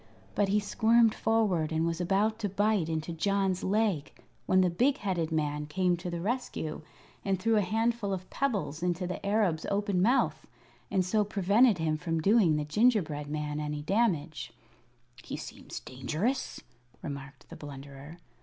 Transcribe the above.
But he squirmed forward and was about to bite into John's leg when the big headed man came to the rescue and threw a handful of pebbles into the Arab's open mouth, and so prevented him from doing the gingerbread man any damage. "He seems dangerous," remarked the Blunderer.